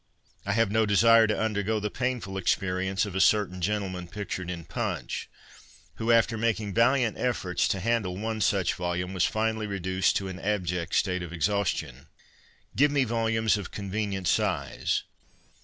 I have no desire to undergo the painful experience of a certain gentleman pictured in Punch, who, after making valiant efforts to handle one such volume, was finally reduced to an abject state of exhaustion. Give me volumes of convenient size.